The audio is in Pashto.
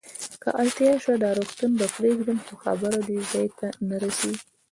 که اړتیا شوه، دا روغتون به پرېږدم، خو خبره دې ځای ته نه رسېږي.